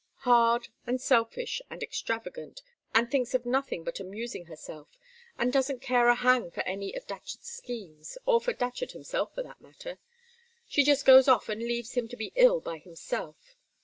"Hard, and selfish, and extravagant, and thinks of nothing but amusing herself, and doesn't care a hang for any of Datcherd's schemes, or for Datcherd himself, for that matter. She just goes off and leaves him to be ill by himself.